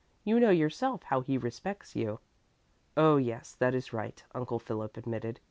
You know yourself how he respects you." "Oh, yes, that is right," Uncle Philip admitted.